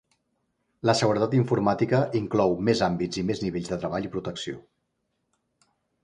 La seguretat informàtica inclou més àmbits i més nivells de treball i protecció.